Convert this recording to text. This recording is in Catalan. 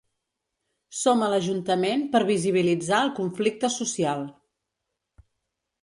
Som a l’ajuntament per visibilitzar el conflicte social.